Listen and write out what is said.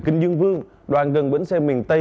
kinh dương vương đoàn gần bến xe miền tây